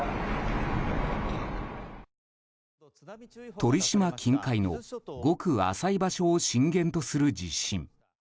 鳥島近海のごく浅い場所を震源とする地震。